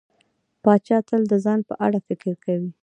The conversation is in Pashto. پاچا تل د ځان په اړه فکر کوي.